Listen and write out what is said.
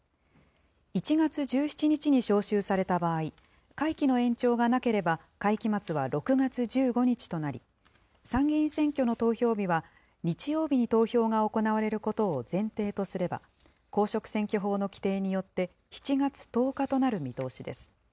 １月１７日に召集された場合、会期の延長がなければ、会期末は６月１５日となり、参議院選挙の投票日は日曜日に投票が行われることを前提とすれば、公職選挙法の規定によって７月１０日となる見通しです。